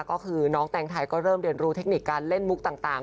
ก็คือน้องแตงไทยก็เริ่มเรียนรู้เทคนิคการเล่นมุกต่าง